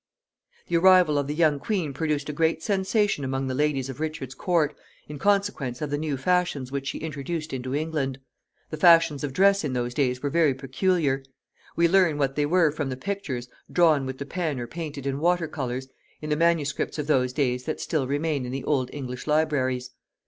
The arrival of the young queen produced a great sensation among the ladies of Richard's court, in consequence of the new fashions which she introduced into England. The fashions of dress in those days were very peculiar. We learn what they were from the pictures, drawn with the pen or painted in water colors, in the manuscripts of those days that still remain in the old English libraries.